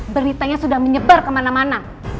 beritanya sudah menyebar kemana mana